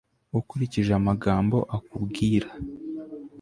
ukurikije amagambo akubwira